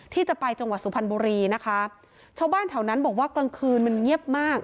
ที่จะไปจังหวัดสุพรรณบุรีนะคะชาวบ้านแถวนั้นบอกว่ากลางคืนมันเงียบมาก